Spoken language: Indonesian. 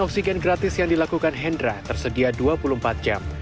oksigen gratis yang dilakukan hendra tersedia dua puluh empat jam